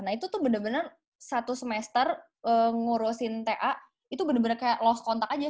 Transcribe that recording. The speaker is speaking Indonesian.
nah itu tuh bener bener satu semester ngurusin ta itu bener bener kayak love contact aja